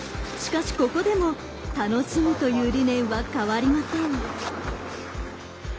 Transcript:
しかしここでも楽しむという理念は変わりません。